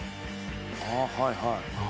ああはいはい。